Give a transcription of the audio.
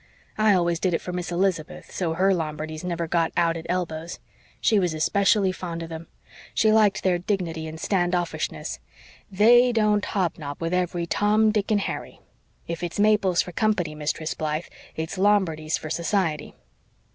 I always did it for Miss Elizabeth, so her Lombardies never got out at elbows. She was especially fond of them. She liked their dignity and stand offishness. THEY don't hobnob with every Tom, Dick and Harry. If it's maples for company, Mistress Blythe, it's Lombardies for society."